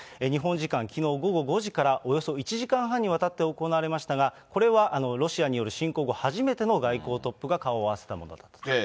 日本時間きのう午後５時からおよそ１時間半にわたって行われましたが、これはロシアによる侵攻後初めての外交トップが顔を合わせたと。